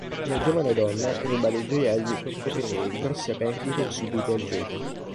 Una giovane donna ruba dei gioielli per coprire le grosse perdite subite al gioco.